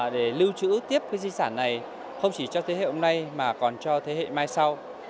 để lưu trữ tiếp cái di sản này không chỉ cho thế hệ hôm nay mà còn cho thế hệ mai sau